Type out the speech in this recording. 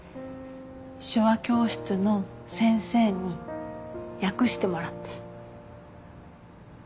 手話教室の先生に訳してもらって。